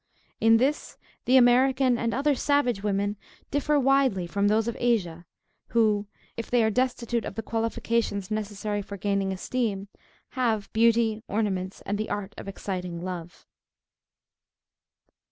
In this the American and other savage women differ widely from those of Asia, who, if they are destitute of the qualifications necessary for gaining esteem, have beauty, ornaments, and the art of exciting love.